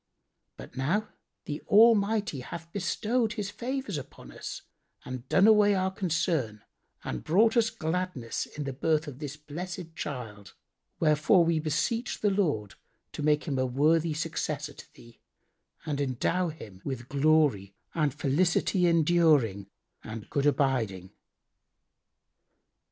But now the Almighty hath bestowed His favours upon us and done away our concern and brought us gladness in the birth of this blessed child; wherefore we beseech the Lord to make him a worthy successor to thee and endow him with glory and felicity enduring and good abiding."